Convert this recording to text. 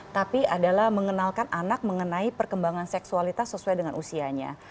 tapi adalah mengenalkan anak mengenai perkembangan seksualitas sesuai dengan usianya